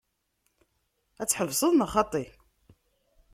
Ad tḥebseḍ neɣ xaṭi?